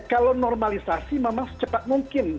kalau normalisasi memang secepat mungkin